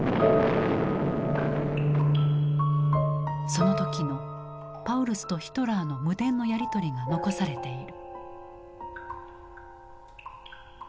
その時のパウルスとヒトラーの無電のやり取りが残されている。